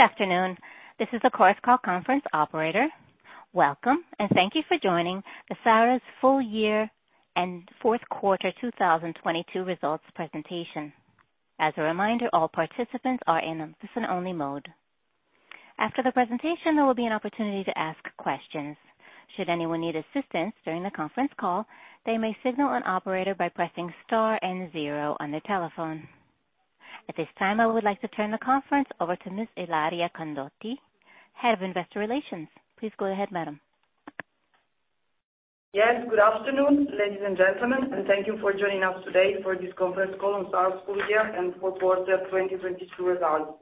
Good afternoon. This is the Chorus Call conference operator. Welcome. Thank you for joining the Saras Full Year and Fourth Quarter 2022 Results Presentation. As a reminder, all participants are in listen-only mode. After the presentation, there will be an opportunity to ask questions. Should anyone need assistance during the conference call, they may signal an operator by pressing star and zero on their telephone. At this time, I would like to turn the conference over to Ms. Ilaria Candotti, Head of Investor Relations. Please go ahead, madam. Yes. Good afternoon, ladies and gentlemen, thank you for joining us today for this conference call on Saras Full Year and Fourth Quarter 2022 Results.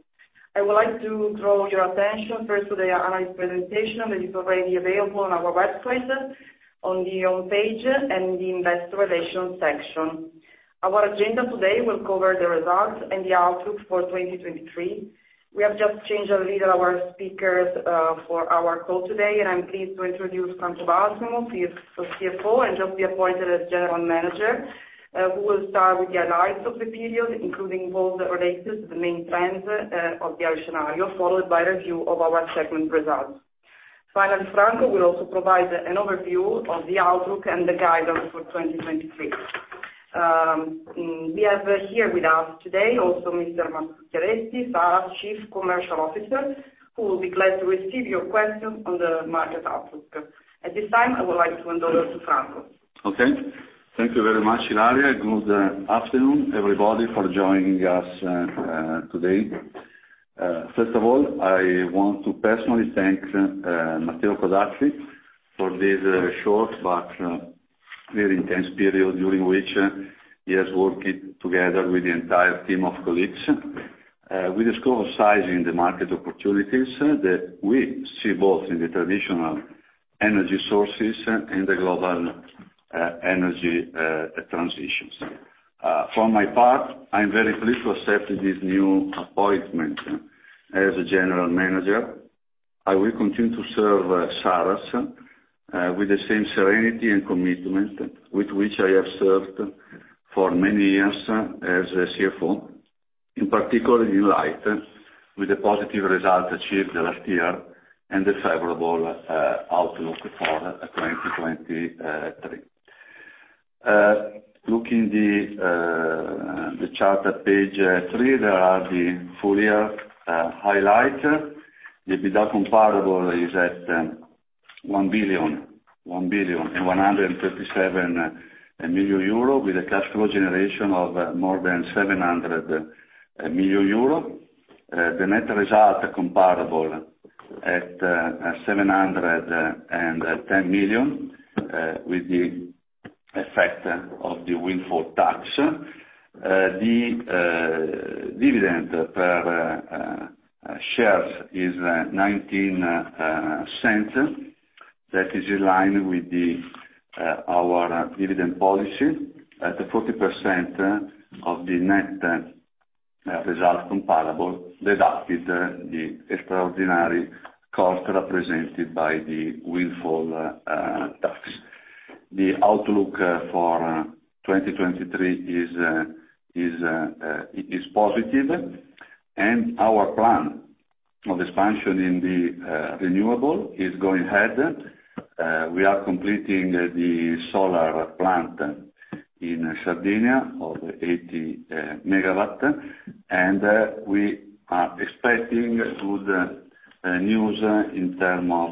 I would like to draw your attention first to the analyst presentation that is already available on our website, on the home page and the Investor Relations section. Our agenda today will cover the results and the outlook for 2023. We have just changed a little our speakers for our call today. I'm pleased to introduce Franco Balsamo, CFO and just appointed as General Manager, who will start with the analysis of the period, including both the relatives, the main trends of the scenario, followed by review of our segment results. Finally, Franco will also provide an overview of the outlook and the guidance for 2023. We have here with us today also Mr. Marco Schiavetti, Saras Chief Commercial Officer, who will be glad to receive your questions on the market outlook. At this time, I would like to hand over to Franco. Okay. Thank you very much, Ilaria. Good afternoon, everybody, for joining us today. First of all, I want to personally thank Matteo Codazzi for this short but very intense period during which he has worked together with the entire team of colleagues with the scope of sizing the market opportunities that we see both in the traditional energy sources and the global energy transitions. From my part, I'm very pleased to accept this new appointment as a General Manager. I will continue to serve Saras with the same serenity and commitment with which I have served for many years as a CFO, in particular in light with the positive results achieved the last year and the favorable outlook for 2023. Looking the chart at page three, there are the full year highlight. The EBITDA comparable is at 1,137,000,000 euro with a cash flow generation of more than 700 million euro. The net result comparable at 710 million with the effect of the windfall tax. The dividend per share is 0.19. That is in line with our dividend policy at 40% of the net result comparable, deducted the extraordinary costs represented by the windfall tax. The outlook for 2023 is positive. Our plan of expansion in the renewable is going ahead. We are completing the solar plant in Sardinia of 80 MW, we are expecting good news in term of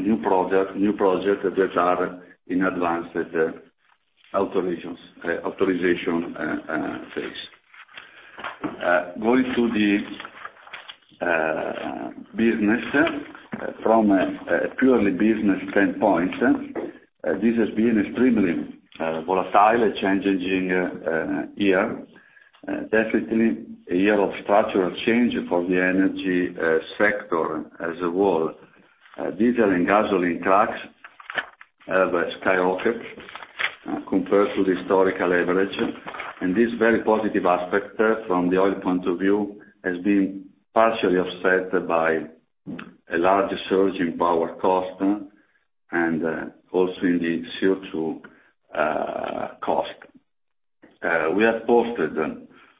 new project that are in advanced authorization phase. Going to the business. From a purely business standpoint, this has been extremely volatile, a changing year. Definitely a year of structural change for the energy sector as a whole. Diesel and gasoline trucks have skyrocketed compared to the historical average. This very positive aspect from the oil point of view, has been partially offset by a large surge in power cost also in the CO2 cost. We have posted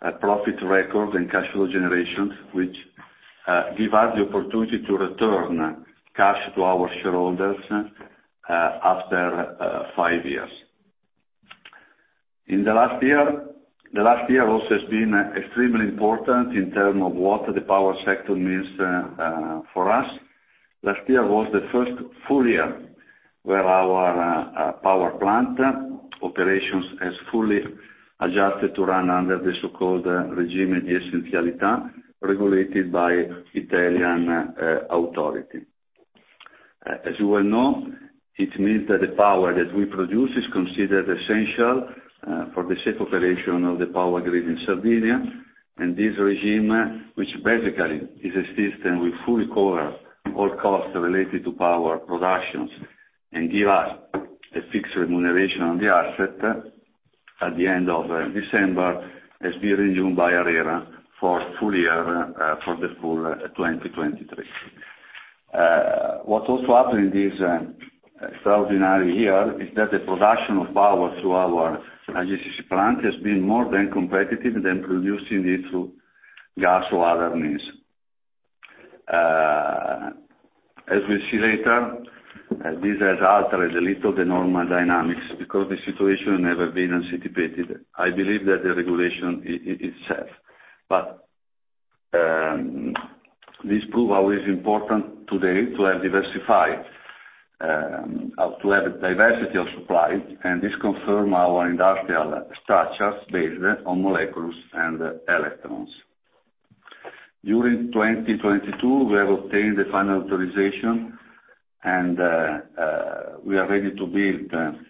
a profit record in cash flow generations, which give us the opportunity to return cash to our shareholders after five years. In the last year, the last year also has been extremely important in terms of what the power sector means for us. Last year was the first full year where our power plant operations has fully adjusted to run under the so-called regime essenzialità, regulated by Italian authority. As you well know, it means that the power that we produce is considered essential for the safe operation of the power grid in Sardinia. This regime, which basically is a system, will fully cover all costs related to power productions and give us a fixed remuneration on the asset at the end of December, has been renewed by ARERA for full year, for the full 2023. What also happened in this extraordinary year is that the production of power through our IGCC plant has been more than competitive than producing it through gas or other means. As we see later, this has altered a little the normal dynamics because the situation never been anticipated. I believe that the regulation is set. This prove how it is important today to have diversified or to have a diversity of supply, and this confirm our industrial structure based on molecules and electrons. During 2022, we have obtained the final authorization and we are ready to build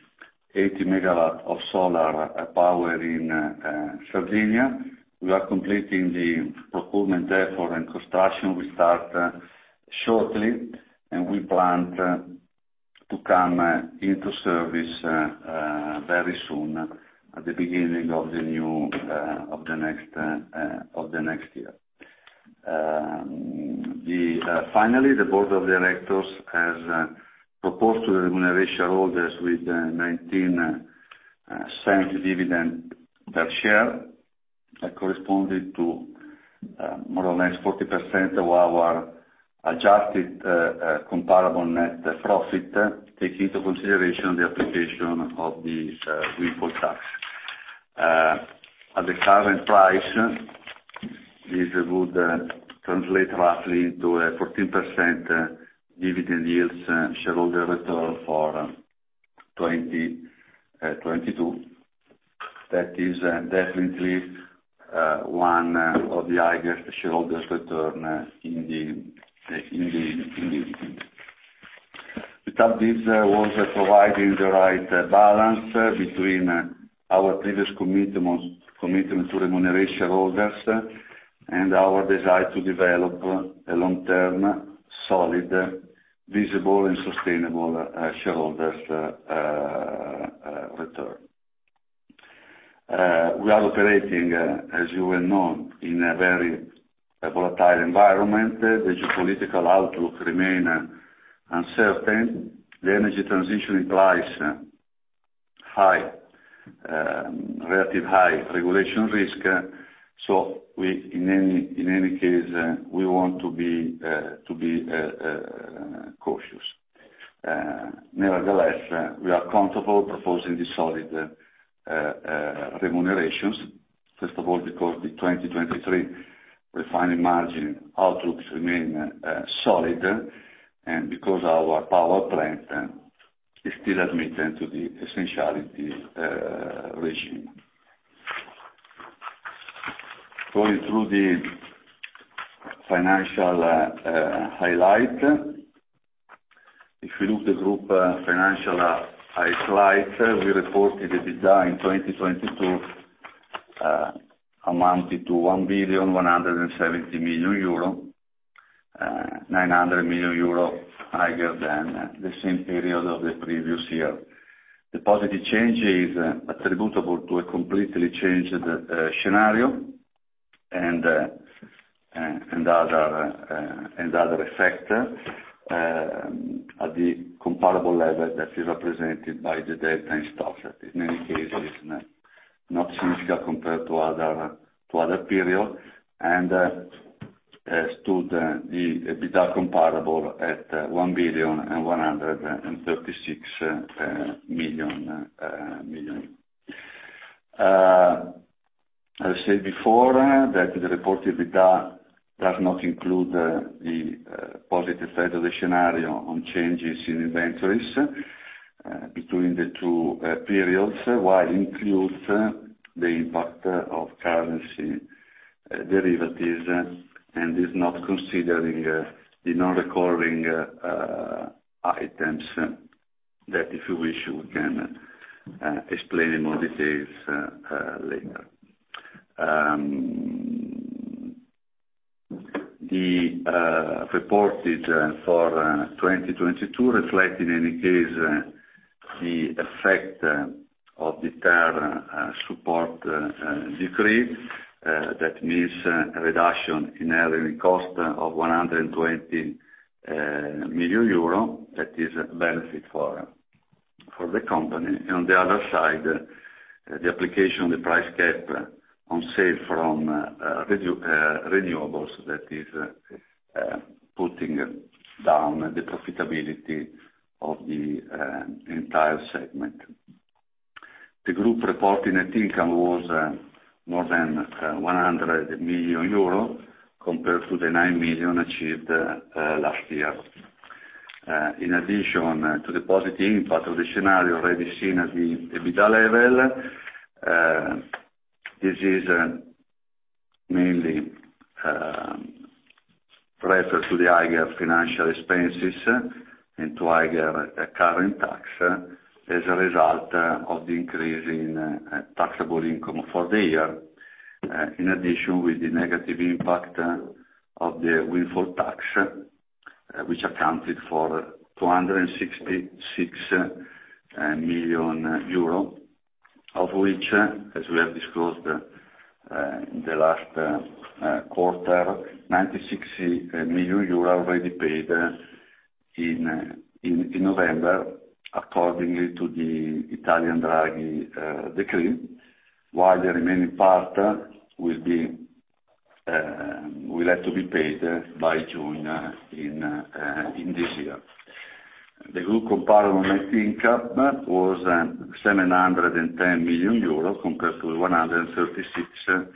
80 MW of solar power in Sardinia. We are completing the procurement therefore, and construction will start shortly, and we plan to come into service very soon at the beginning of the new of the next of the next year. The finally, the Board of Directors has proposed to remunerate shareholders with a 0.19 dividend per share corresponding to more or less 40% of our adjusted comparable net profit, take into consideration the application of this windfall tax. At the current price, this would translate roughly to a 14% dividend yields shareholder return for 2022. That is definitely one of the highest shareholder return. We thought this was providing the right balance between our previous commitment to remuneration holders and our desire to develop a long-term, solid, visible, and sustainable shareholders return. We are operating, as you well know, in a very volatile environment. The geopolitical outlook remain uncertain. The energy transition implies high relative high regulation risk. We in any case want to be cautious. Nevertheless, we are comfortable proposing the solid remunerations, first of all, because the 2023 refining margin outlook remain solid. Because our power plant is still admitted to the Essentiality Regime. Going through the financial highlight. If you look the group, financial highlight, we reported the EBITDA in 2022, amounted to 1,170,000,000 euro, 900 million euro higher than the same period of the previous year. The positive change is attributable to a completely changed scenario and other factor, at the comparable level that is represented by the delta in stock. In many cases, not significant compared to other, to other period. As to the EBITDA comparable at 1,136,000,000. I said before that the reported EBITDA does not include the positive effect of the scenario on changes in inventories between the two periods, while includes the impact of currency derivatives, and is not considering the non-recurring items that if you wish, we can explain in more details later. The reported for 2022 reflect in any case the effect of the third support decree that means a reduction in our cost of 120 million euro. That is a benefit for the company. On the other side, the application of the price cap on sale from renewables, that is putting down the profitability of the entire segment. The group reporting net income was more than 100 million euro compared to the 9 million achieved last year. In addition, to the positive impact of the scenario already seen at the EBITDA level, this is mainly referred to the higher financial expenses and to higher current tax as a result of the increase in taxable income for the year. In addition, with the negative impact of the windfall tax, which accounted for 266 million euro. Of which, as we have disclosed, in the last quarter, 96 million euro already paid in November, accordingly to the Italian Draghi decree, while the remaining part will have to be paid by June in this year. The group comparable net income was 710 million euro compared to 136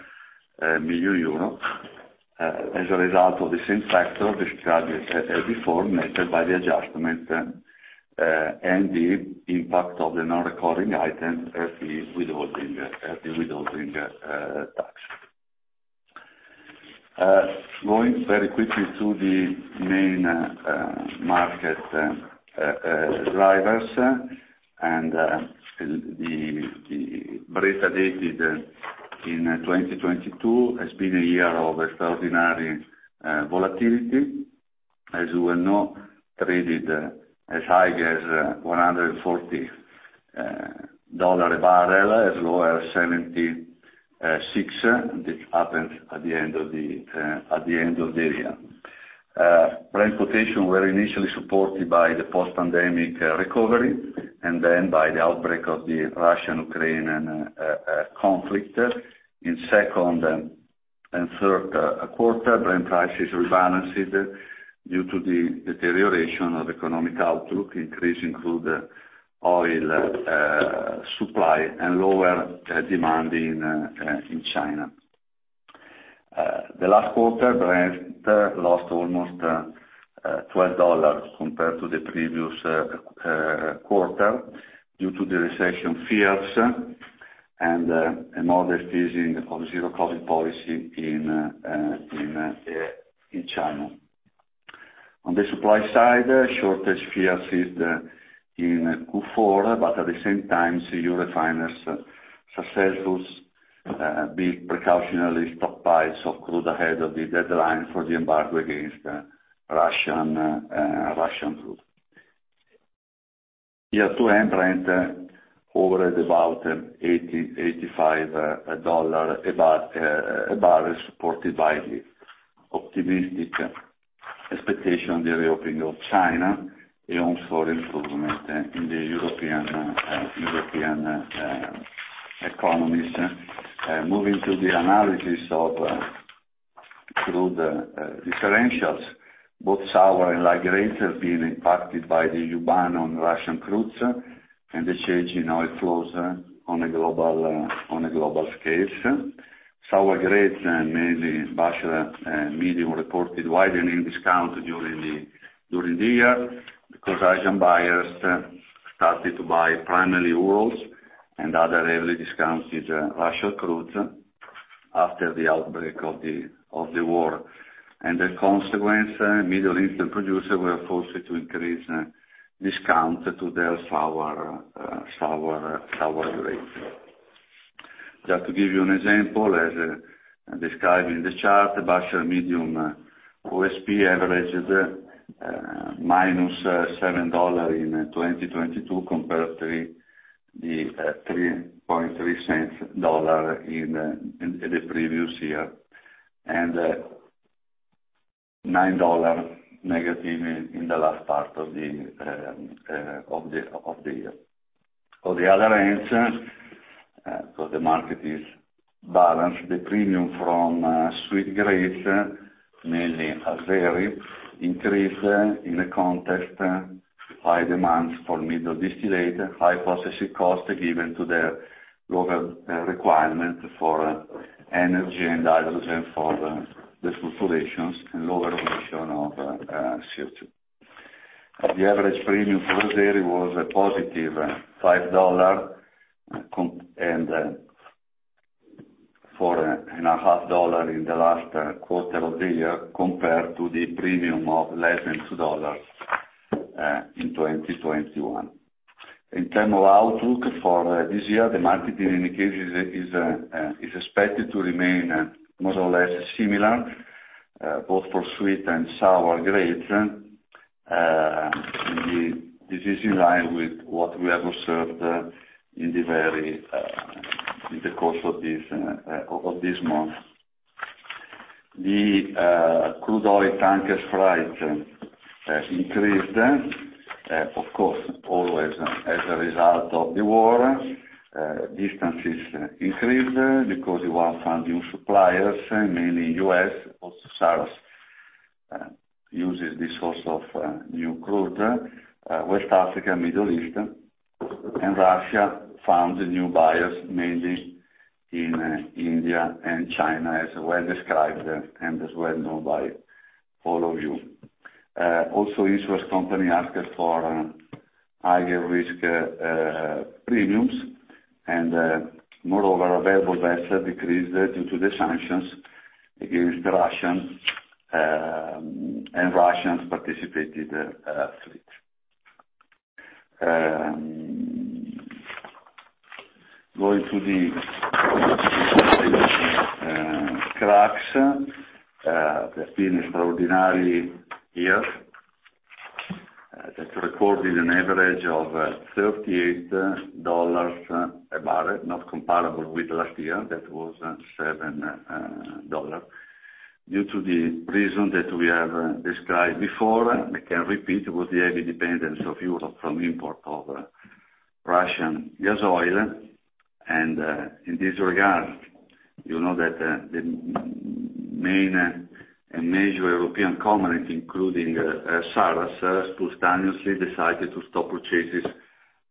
million euro as a result of the same factor described as before, netted by the adjustment and the impact of the non-recurring items as the withholding tax. Going very quickly to the main market drivers and the Brent updated in 2022 has been a year of extraordinary volatility, as you well know, traded as high as $140 a bbl, as low as 76. This happened at the end of the year. Brent quotation were initially supported by the post-pandemic recovery and then by the outbreak of the Russian-Ukrainian conflict. In second and third quarter, Brent prices rebalanced due to the deterioration of economic outlook, increase include oil supply and lower demand in China. The last quarter, Brent lost almost $12 compared to the previous quarter due to the recession fears and another phasing of zero-COVID policy in China. On the supply side, shortage fears hit in Q4. At the same time, see new refiners successful build precautionary stockpiles of crude ahead of the deadline for the embargo against Russian crude. Year-to-end Brent hovered about $80-$85 a bbl, supported by the optimistic expectation, the reopening of China and also improvement in the European economies. Moving to the analysis of crude differentials, both sour and light grades have been impacted by the ban on Russian crudes and the change in oil flows on a global on a global scale. Sour grades, mainly Basra Medium, reported widening discounts during the year because Asian buyers started to buy primarily Urals and other heavily discounted Russian crudes after the outbreak of the war. The consequence, Middle Eastern producers were forced to increase discounts to their sour grades. Just to give you an example, as described in the chart, Basra Medium OSP averaged -$7 in 2022 compared $0.033 in the previous year and -$9 in the last part of the year. On the other hand, because the market is balanced, the premium from sweet grades, mainly Azeri, increased in a context, high demands for middle distillate, high processing cost given to the global requirement for energy and hydrogen for the fluctuations and lower emission of CO2. The average premium for Azeri was a positive EUR 5 and EUR 4.5 in the last quarter of the year, compared to the premium of less than EUR 2 in 2021. In term of outlook for this year, the market indicators is expected to remain more or less similar, both for sweet and sour grades. This is in line with what we have observed in the very, in the course of this, of this month. The crude oil tankers freight increased, of course, always as a result of the war. Distances increased because you want to find new suppliers, mainly U.S. Saras uses this source of new crude. West Africa, Middle East and Russia found new buyers, mainly in India and China, as well described and as well known by all of you. Insurance company asked for higher risk premiums and, moreover, available vessels decreased due to the sanctions against Russian and Russians participated fleet. Cracks have been extraordinary year that recorded an average of $38 a barrel, not comparable with last year. That was $7. Due to the reason that we have described before, I can repeat, it was the heavy dependence of Europe from import of Russian gas oil. In this regard, you know that the main and major European companies, including Saras, spontaneously decided to stop purchases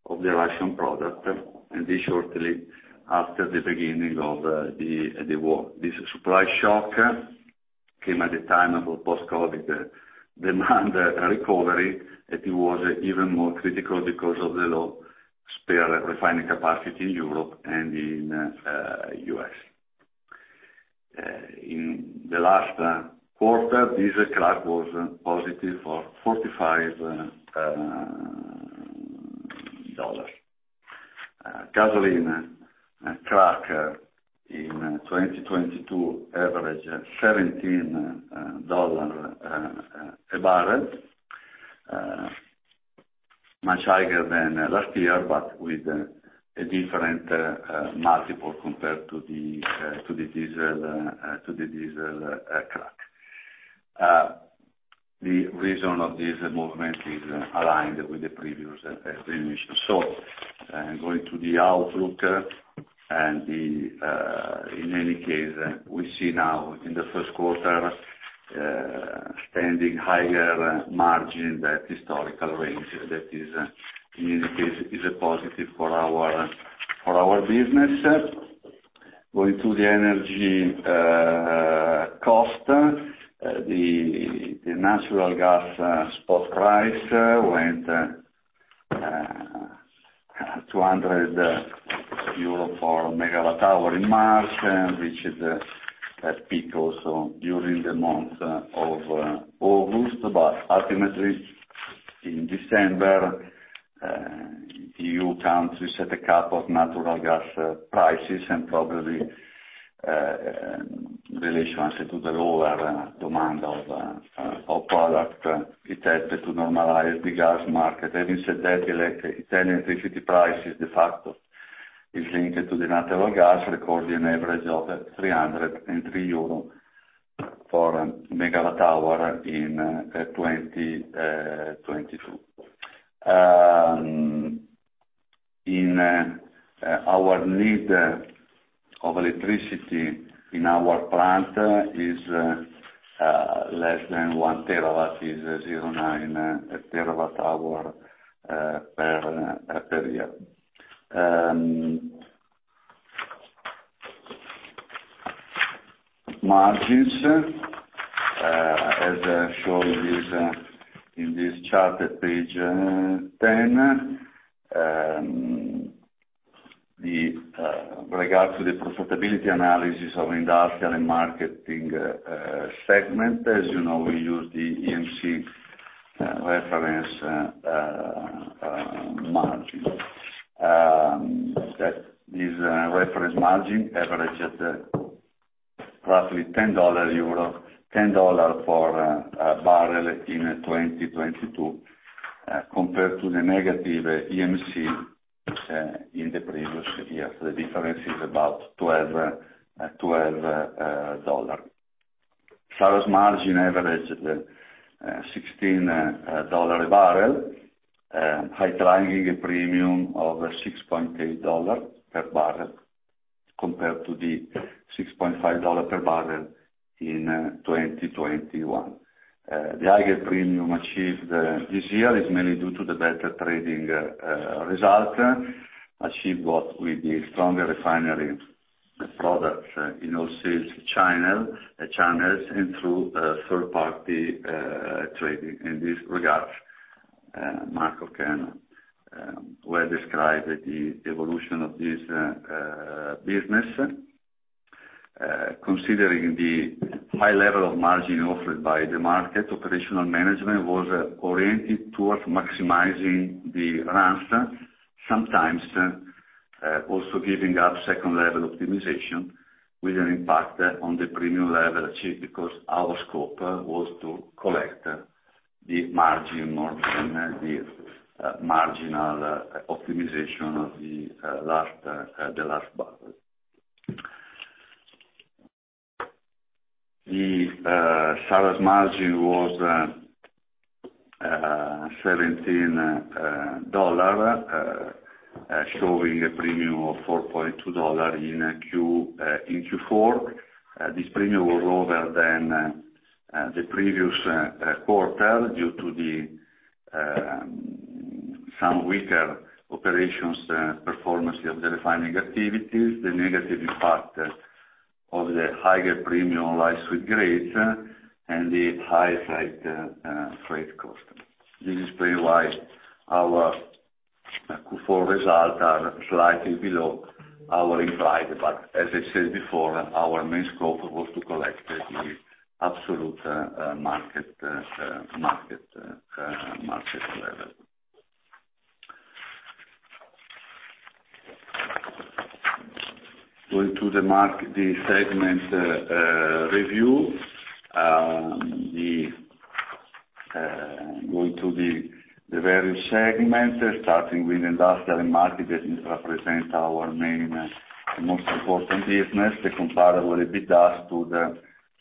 of the Russian product, and this shortly after the beginning of the war. This supply shock came at a time of post COVID demand recovery, that it was even more critical because of the low spare refining capacity in Europe and in U.S. In the last quarter, diesel crack was positive for $45. Gasoline crack in 2022 averaged $17 a barrel. Much higher than last year, but with a different multiple compared to the diesel crack. The reason of this movement is aligned with the previous explanation. Going to the outlook and the, in any case, we see now in the first quarter, standing higher margin that historical range that is, in any case, is a positive for our, for our business. Going to the energy cost, the natural gas spot price went EUR 200 per MWh in March, and which is a peak also during the month of August. Ultimately in December, EU Council set a cap of natural gas prices and probably relation to the lower demand of product. It helped to normalize the gas market. Having said that, Italian electricity prices de facto is linked to the natural gas, recording an average of 303 euro for MWh in 2022. In our need of electricity in our plant is less than 1 TWh is 0.9 TWh per year. Margins, as shown in this chart at page 10. Regards to the profitability analysis of industrial and marketing segment, as you know, we use the EMC reference margin. That is reference margin averages roughly $10 for a barrel in 2022, compared to the negative EMC in the previous year. The difference is about $12. Saras margin averaged $16 a barrel, highlighting a premium of $6.8 per bbl compared to the $6.5 per bbl in 2021. The higher premium achieved this year is mainly due to the better trading result, achieved what with the stronger refinery products in our sales channels and through third party trading. In this regard, Marco can well describe the evolution of this business. Considering the high level of margin offered by the market, operational management was oriented towards maximizing the runs, sometimes also giving up second level optimization with an impact on the premium level achieved, because our scope was to collect the margin more than the marginal optimization of the last barrel. The Saras margin was $17, showing a premium of $4.2 in Q4. This premium was lower than the previous quarter due to the some weaker operations performance of the refining activities, the negative impact of the higher premium light sweet grades and the higher freight cost. This is pretty why our Q4 results are slightly below our implied. As I said before, our main scope was to collect the absolute market level. Going to the segment review, going to the various segments, starting with industrial market, that represent our main most important business, the comparable EBITDA stood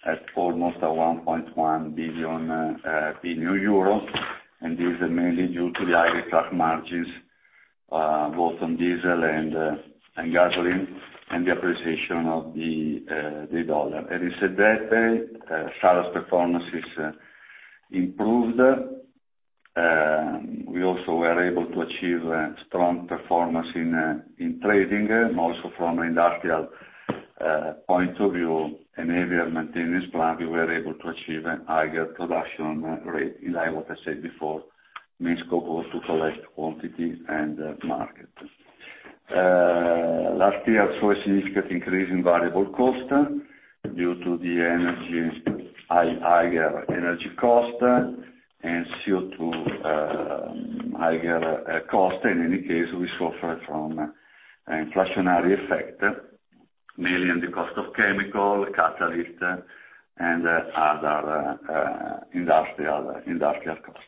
at almost 1.1 billion, and this is mainly due to the higher truck margins both on diesel and gasoline, and the appreciation of the dollar. Having said that, sales performance is improved. We also were able to achieve a strong performance in trading, also from an industrial point of view, enabling maintenance plan, we were able to achieve a higher production rate in line with what I said before, means scope to collect quantity and market. Last year saw a significant increase in variable cost due to the higher energy cost and CO2 higher cost. In any case, we suffer from an inflationary effect, mainly in the cost of chemical, catalyst and other industrial costs.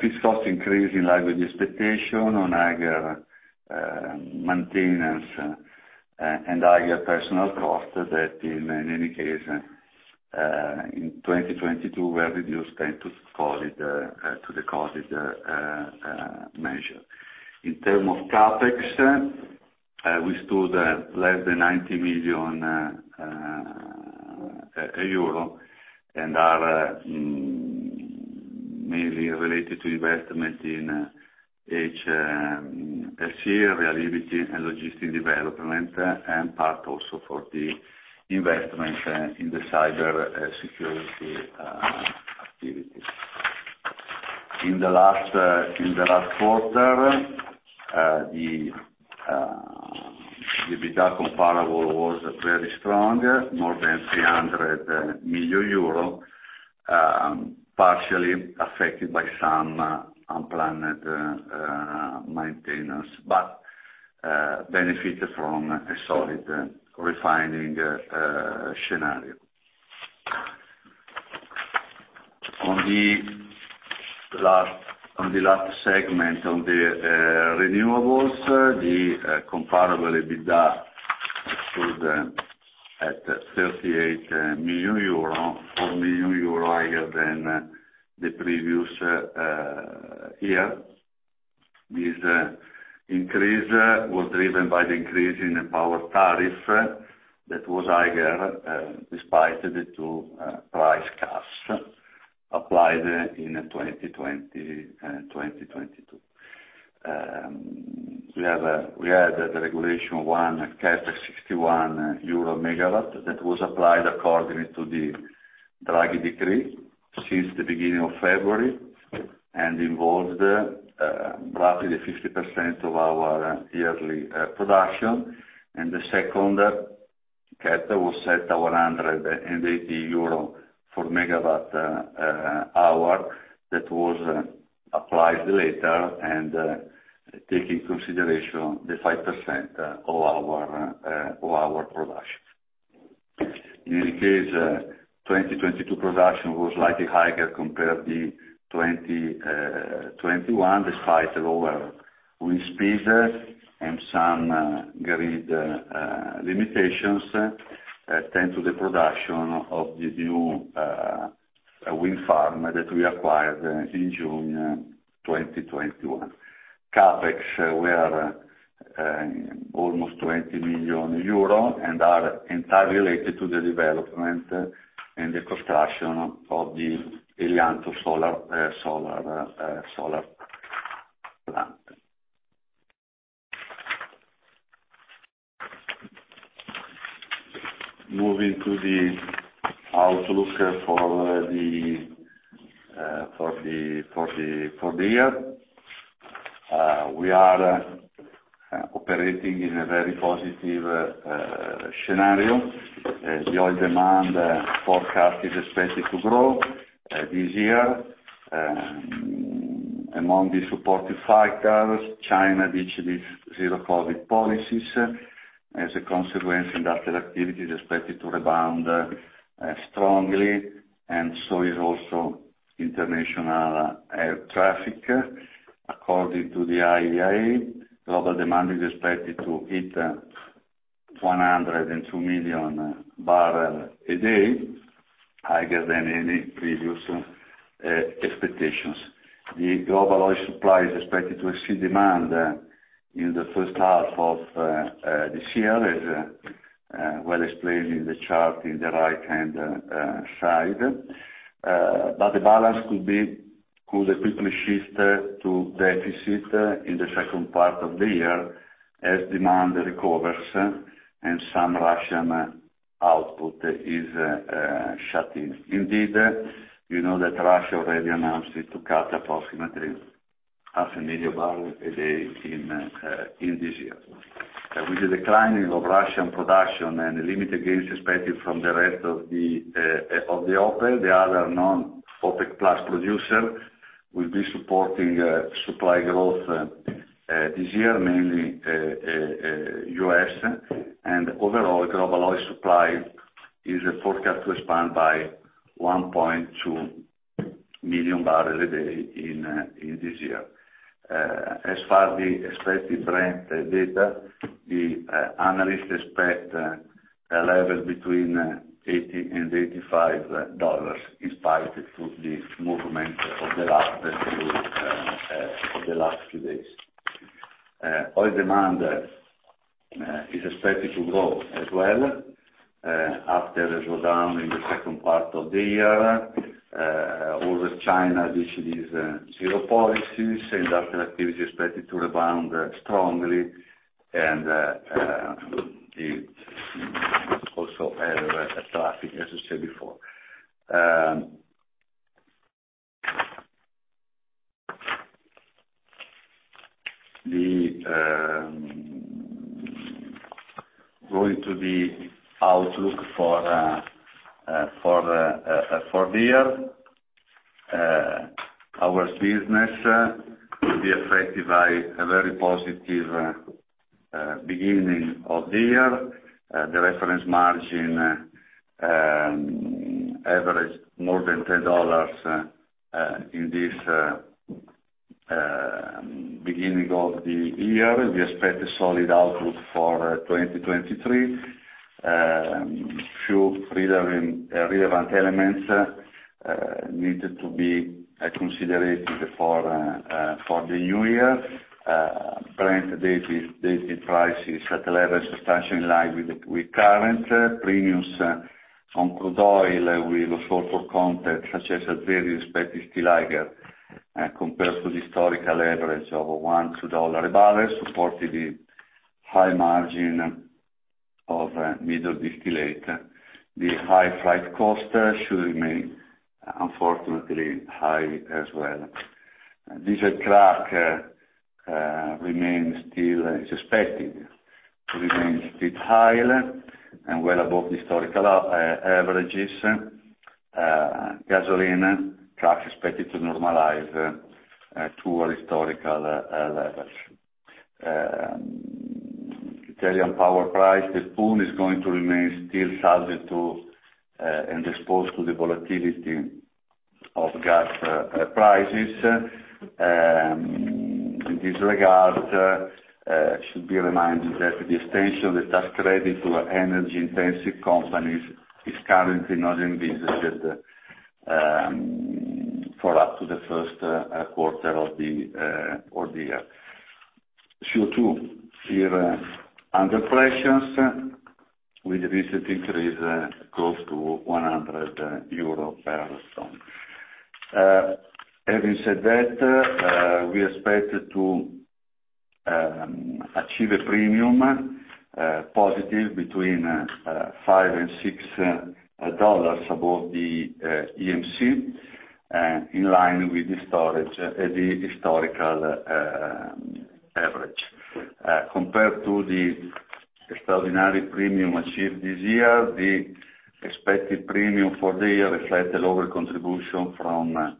Fixed costs increase in line with the expectation on higher maintenance and higher personal costs that in any case, in 2022 were reduced thanks to COVID to the COVID measure. In terms of CapEx, we stood at less than EUR 90 million and are mainly related to investment in HSE, reliability and logistic development, and part also for the investment in the cyber security activities. In the last quarter, the EBITDA comparable was very strong, more than 300 million euro, partially affected by some unplanned maintenance, but benefited from a solid refining scenario. On the last segment on the renewables, the comparable EBITDA stood at 38 million euro, 4 million euro higher than the previous year. This increase was driven by the increase in the power tariff that was higher, despite the two price caps applied in 2022. We had the Regulation One CapEx, 61 euro MW that was applied according to the Draghi decree since the beginning of February, and involved roughly the 50% of our yearly production. The second cap was set to EUR 180 for MWh that was applied later and take in consideration the 5% of our of our production. In any case, 2022 production was slightly higher compared to 2021, despite lower wind speeds and some grid limitations, thanks to the production of the new wind farm that we acquired in June 2021. CapEx were almost 20 million euro and are entirely related to the development and the construction of the Helianto solar plant. Moving to the outlook for the year, we are operating in a very positive scenario. The oil demand forecast is expected to grow this year. Among the supportive factors, China ditched its zero-COVID policies. As a consequence, industrial activity is expected to rebound strongly, and so is also international air traffic. According to the IEA, global demand is expected to hit 102 million bbl a day, higher than any previous expectations. The global oil supply is expected to exceed demand in the first half of this year, as well explained in the chart in the right-hand side. The balance could quickly shift to deficit in the second part of the year as demand recovers and some Russian output is shutting. Indeed, you know that Russia already announced it to cut approximately 500,000 bbl a day in this year. With the declining of Russian production and the limited gains expected from the rest of the OPEC, the other non-OPEC+ producer will be supporting supply growth this year, mainly U.S. Overall, global oil supply is forecast to expand by 1.2 million bbl a day in this year. As far the expected Brent data, the analysts expect a level between $80-$85, in spite to the movement of the last few days. Oil demand is expected to grow as well after a slowdown in the second part of the year. Over China issues these zero policies and after activity is expected to rebound strongly, and it also has a traffic, as I said before. Going to the outlook for the year, our business will be affected by a very positive beginning of the year. The reference margin averaged more than $10 in this beginning of the year. We expect a solid outlook for 2023. Few relevant elements needed to be considered for the new year. Brent daily price is at a level substantially in line with current premiums on crude oil with [short-haul content], such as Azeri respective still higher compared to the historical average of $1-$2 a barrel, supported with high margin of middle distillate. The high freight cost should remain unfortunately high as well. Diesel crack is expected to remain bit high and well above the historical averages. Gasoline crack is expected to normalize to a historical levels. Italian power price, the pool is going to remain still subject to and exposed to the volatility of gas prices. In this regard, should be reminded that the extension of the tax credit to energy intensive companies is currently not envisaged for up to the first quarter of the year. CO2 here under pressures with recent increase close to 100 euro per ton. Having said that, we expect to achieve a premium positive between $5-$6 above the EMC, in line with the storage, the historical average. Compared to the extraordinary premium achieved this year, the expected premium for the year reflect a lower contribution from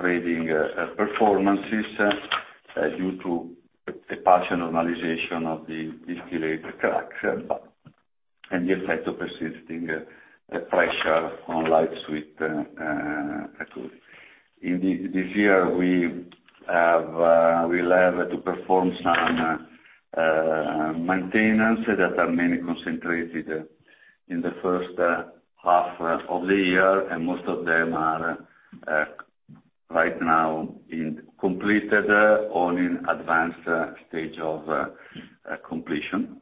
trading performances due to a partial normalization of the distillate cracks and the effect of persisting pressure on light sweet crude. In this year, we'll have to perform some maintenance that are mainly concentrated in the first half of the year, and most of them are right now being completed or in advanced stage of completion.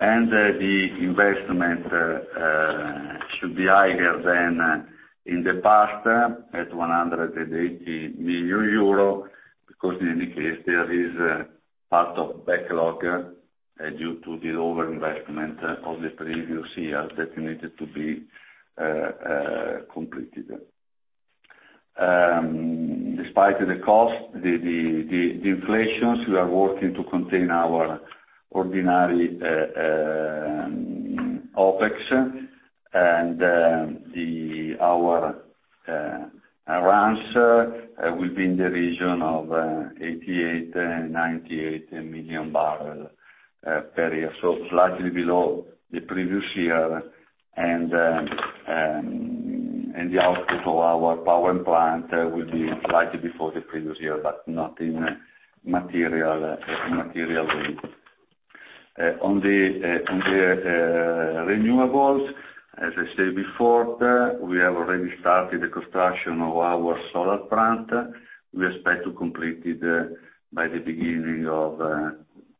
The investment should be higher than in the past at 180 million euro, because in any case, there is a part of backlog due to the lower investment of the previous year that needed to be completed. Despite the cost, the inflations, we are working to contain our ordinary OPEX and our runs will be in the region of 88 million bbl and 98 million bbl per year. Slightly below the previous year. The output of our power plant will be slightly before the previous year, but not in material way. On the on the renewables, as I said before, we have already started the construction of our solar plant. We expect to complete it by the beginning of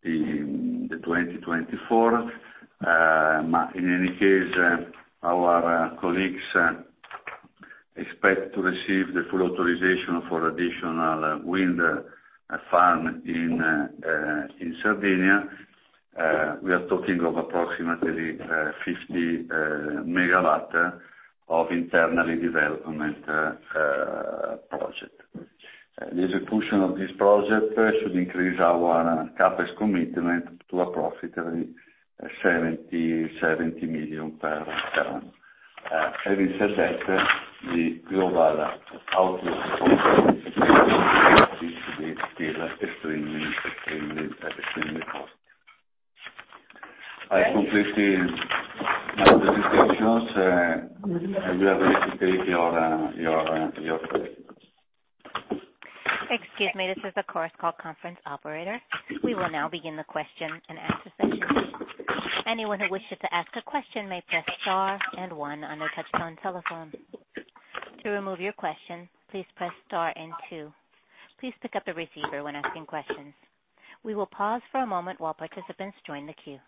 2024. In any case, our colleagues expect to receive the full authorization for additional wind farm in Sardinia. We are talking of approximately 50 MW of internally development project. The execution of this project should increase our CapEx commitment to a profit of 70 million per annum. Having said that, the global outlook still extremely positive. Thank- I completed my presentations, and we are ready to take your questions. Excuse me. This is the Chorus Call conference operator. We will now begin the question-and-answer session. Anyone who wishes to ask a question may press star and one on their touch-tone telephone. To remove your question, please press star and two. Please pick up the receiver when asking questions. We will pause for a moment while participants join the queue.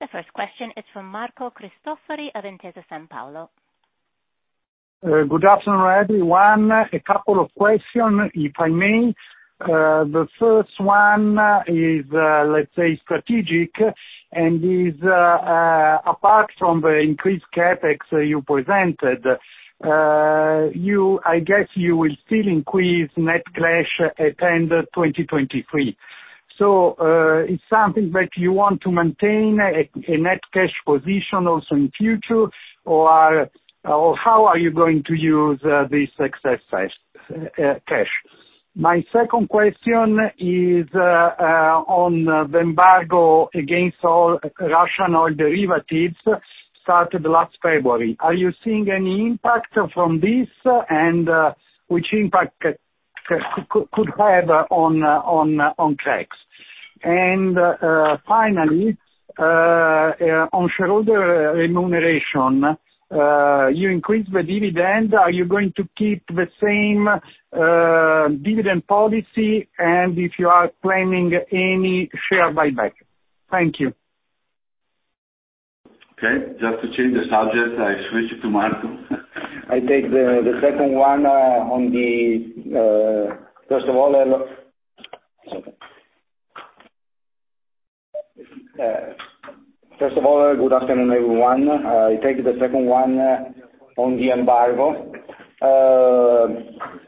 The first question is from Marco Cristofori of Intesa Sanpaolo. Good afternoon, everyone. A couple of questions, if I may. The first one is, let's say strategic, and is, apart from the increased CapEx you presented, I guess you will still increase net cash at end 2023. It's something that you want to maintain a net cash position also in future or how are you going to use this excess cash? My second question is on the embargo against all Russian oil derivatives started last February. Are you seeing any impact from this, which impact could have on cracks? Finally, on shareholder remuneration, you increase the dividend, are you going to keep the same dividend policy, and if you are planning any share buyback? Thank you. Okay, just to change the subject, I switch to Marco. First of all, one second. First of all, good afternoon, everyone. I take the second one on the embargo.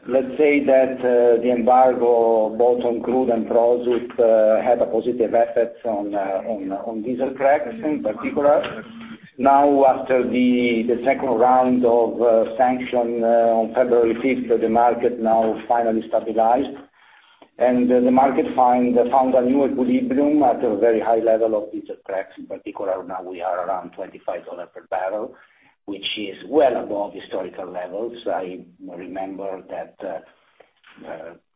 Let's say that the embargo, both on crude and products, had a positive effect on diesel cracks in particular. Now, after the second round of sanction on February 5th, the market now finally stabilized. The market found a new equilibrium at a very high level of diesel cracks. In particular, now we are around $25 per bbl, which is well above historical levels. I remember that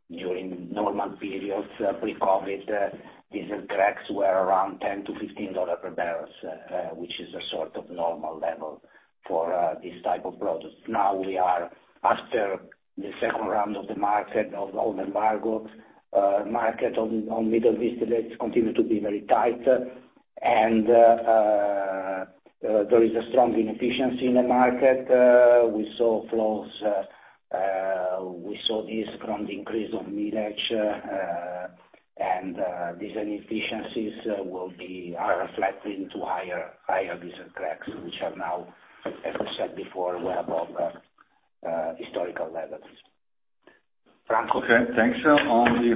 during normal periods, pre-COVID, diesel cracks were around $10-$15 per bbl, which is a sort of normal level for this type of product. Now we are, after the second round of the market, of all the embargoes, market on Middle East continues to be very tight and there is a strong inefficiency in the market. We saw flows, we saw this from the increase of mileage, and these inefficiencies are reflecting to higher diesel cracks, which are now, as we said before, well above historical levels. He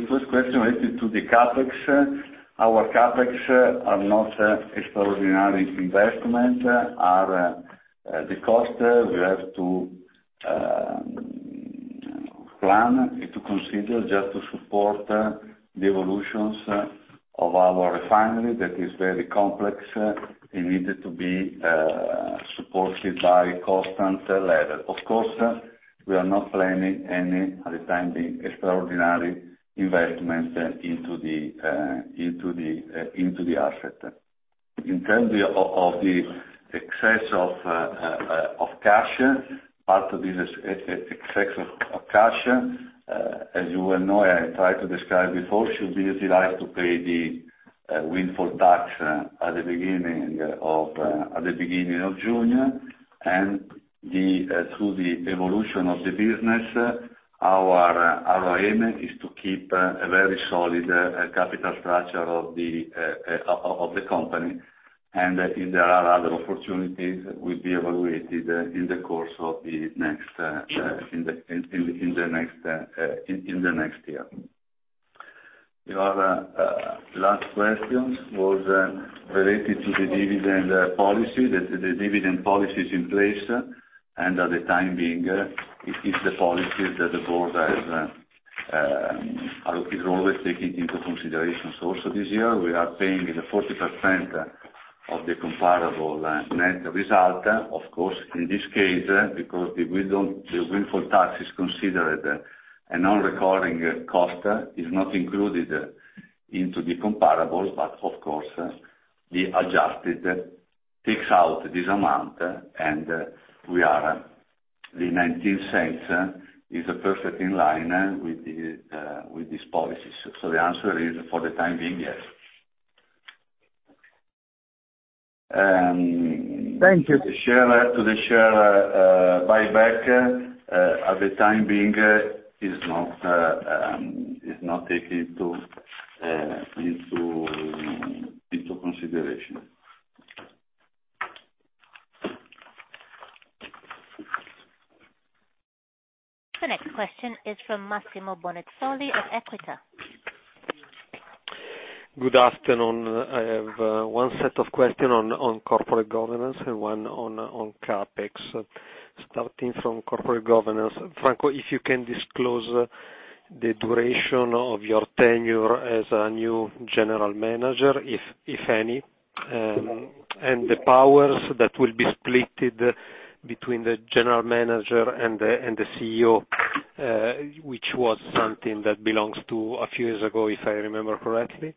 first question related to the CapEx, our CapEx are not extraordinary investment. Our the cost we have to plan and to consider just to support the evolutions of our refinery that is very complex. It needed to be supported by constant level. Of course, we are not planning any, at the time being, extraordinary investment into the into the into the asset. In terms of the excess of cash, part of this excess of cash, as you well know, I tried to describe before, should be utilized to pay the windfall tax at the beginning of at the beginning of June. And through the evolution of the business, our aim is to keep a very solid capital structure of the of the company If there are other opportunities, will be evaluated in the course of the next year. Your last question was related to the dividend policy. The dividend policy is in place, and at the time being, it is the policy that the board has always taking into consideration. Also this year, we are paying the 40% of the comparable net result. Of course, in this case, because if we don't the windfall tax is considered a non-recurring cost, is not included into the comparable, but of course, the adjusted takes out this amount, and we are the 0.19 is perfectly in line with this policy. The answer is, for the time being, yes. Thank you. He share buyback at the time being is not taken into consideration The next question is from Massimo Bonisoli of Equita. Good afternoon. I have one set of question on corporate governance and one on CapEx. Starting from corporate governance, Franco, if you can disclose the duration of your tenure as a new general manager, if any, and the powers that will be splitted between the general manager and the CEO, which was something that belongs to a few years ago, if I remember correctly.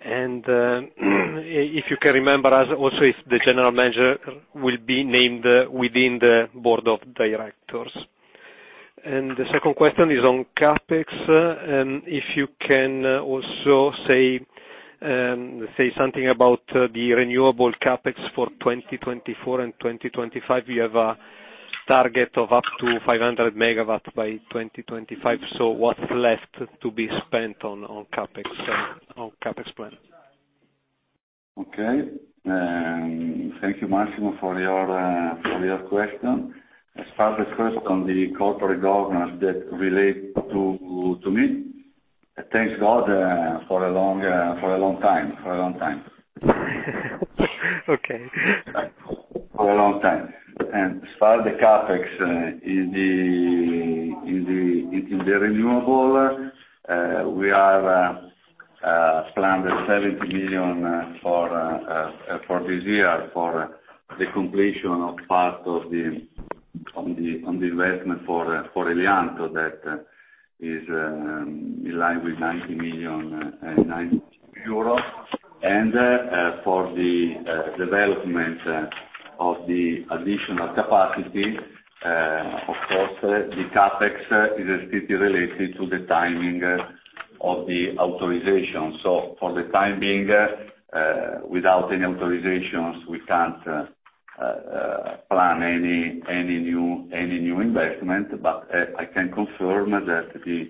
If you can remember also if the general manager will be named within the Board of Directors. The second question is on CapEx, if you can also say something about the renewable CapEx for 2024 and 2025. You have a target of up to 500 MW by 2025, so what's left to be spent on CapEx, on CapEx plan? Okay. thank you, Massimo, for your question. As far as first on the corporate governance that relate to me, thanks God, for a long time. Okay. For a long time. As far the CapEx in the renewable, we have planned 70 million for this year, for the completion of part of the investment for Helianto that is in line with 90 million and 90 euros. For the development of the additional capacity, of course, the CapEx is strictly related to the timing of the authorization. For the time being, without any authorizations, we can't plan any new investment. I can confirm that the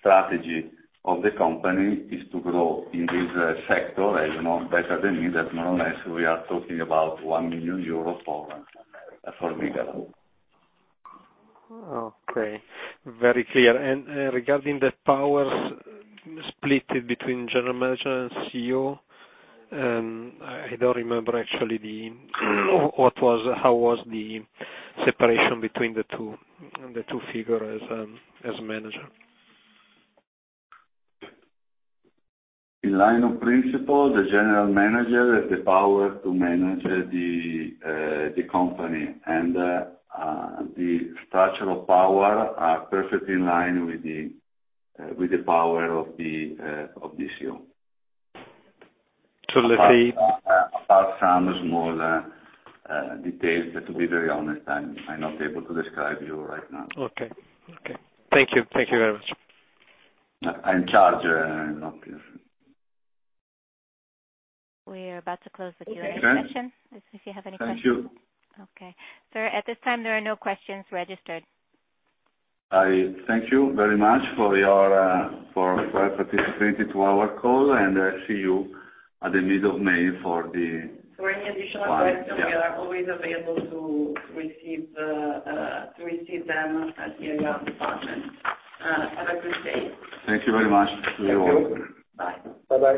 strategy of the company is to grow in this sector. As you know better than me, that more or less we are talking about 1 million euros for MW. Okay. Very clear. Regarding the powers splitted between general manager and CEO, I don't remember actually the how was the separation between the two figure as manager? In line of principle, the general manager has the power to manage the company. The structural power are perfectly in line with the power of the CEO. Let me. Apart from the small details, to be very honest, I'm not able to describe you right now. Okay. Okay. Thank you. Thank you very much. I'm charged, not We are about to close the Q&A session. Okay. If you have any questions. Thank you. Okay. Sir, at this time there are no questions registered. I thank you very much for your for participating to our call, and I see you at the middle of May for. For any additional questions, we are always available to receive them at the IR department. Have a great day. Thank you very much to you all. Thank you. Bye. Bye-bye.